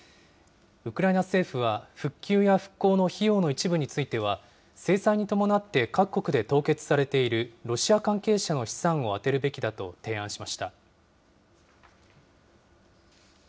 ウクライナ政府は、復旧や復興の費用の一部については、制裁に伴って各国で凍結されているロシア関係者の資産を充てるべきだと提案しました。